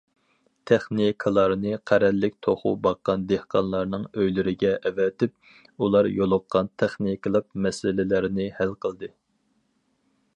تېخنىكلارنى قەرەللىك توخۇ باققان دېھقانلارنىڭ ئۆيلىرىگە ئەۋەتىپ، ئۇلار يولۇققان تېخنىكىلىق مەسىلىلەرنى ھەل قىلدى.